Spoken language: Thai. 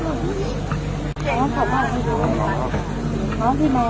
แม่ขอบคุณมากแม่ขอบคุณมากแม่ขอบคุณมากแม่ขอบคุณมาก